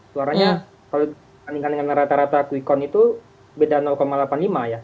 suaranya kalau dikandingkan dengan rata rata qicon itu beda delapan puluh lima ya